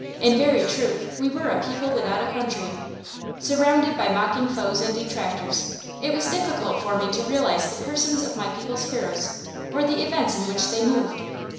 In very truth we were a people without a country. Surrounded by mocking foes and detractors, it was difficult for me to realize the persons of my people's heroes or the events in which they moved.